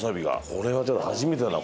これはでも初めてだな